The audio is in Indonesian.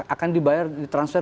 akan dibayar ditransfer